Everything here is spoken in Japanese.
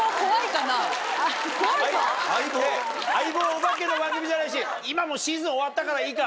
お化けの番組じゃないし今もうシーズン終わったからいいか。